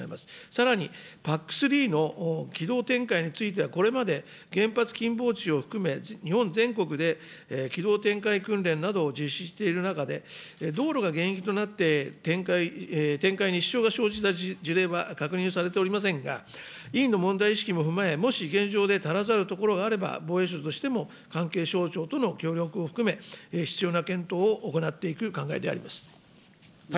さらにＰＡＣ３の機動展開については、これまで原発近傍地を含め、日本全国で機動展開訓練などを実施している中で、道路がとなって展開に支障が生じた事例は確認されておりませんが、委員の問題意識も踏まえ、もし現状で足らざることがあれば、防衛省としても関係省庁との協力を含め、必要な検討を行っていく考えであります。